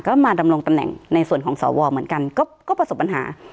ก็มาดำรงตำแหน่งในส่วนของสวเหมือนกันก็ประสบปัญหา